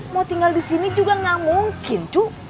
mau tinggal di sini juga gak mungkin cuy